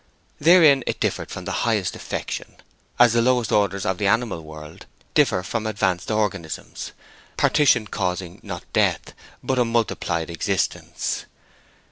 Therein it differed from the highest affection as the lower orders of the animal world differ from advanced organisms, partition causing, not death, but a multiplied existence.